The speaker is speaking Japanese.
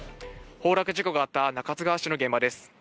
崩落事故があった中津川市の現場です。